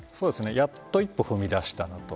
やっと一歩踏み出したなと。